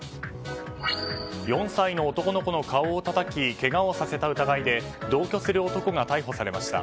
４歳の男の子の顔をたたきけがをさせた疑いで同居する男が逮捕されました。